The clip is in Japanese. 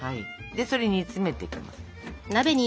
それ煮詰めていきます。